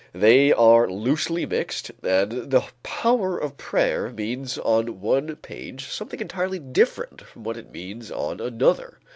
They are loosely mixed, and the power of prayer means on one page something entirely different from what it means on another.